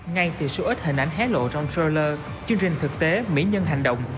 ngay từ số ít hình ảnh hé lộ trong scholar chương trình thực tế mỹ nhân hành động